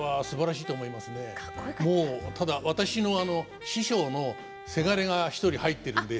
もうただ私の師匠のせがれが一人入ってるんで。